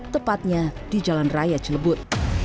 tepatnya di jalan raya cilebut